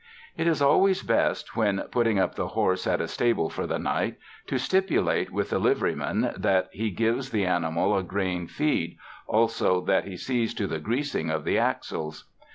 It is always best, when putting up the horse at a stable for the night, to stipulate with the livery man that he gives the animal a grain feed, also that he sees to the greasing of the axles.